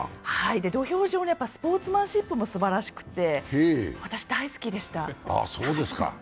土俵上のスポーツマンシップもすばらしくて私、大好きでした。